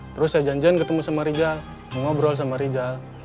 terus saya janjian ketemu sama rijal ngobrol sama rijal